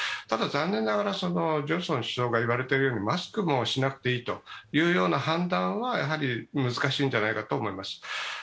ただ、残念ながらジョンソン首相が言われているようにマスクもしなくていいというような判断は難しいんじゃないかと思います。